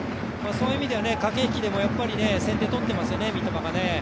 そういう意味では駆け引きでも先手をとってますよね三笘がね。